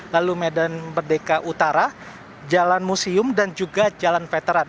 lalu medan merdeka utara jalan museum dan juga jalan veteran